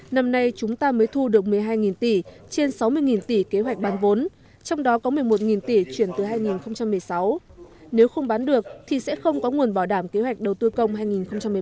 năm nay chúng ta mới thu được một mươi hai tỷ trên sáu mươi tỷ kế hoạch bán vốn trong đó có một mươi một tỷ chuyển từ hai nghìn một mươi sáu nếu không bán được thì sẽ không có nguồn bảo đảm kế hoạch đầu tư công hai nghìn một mươi bốn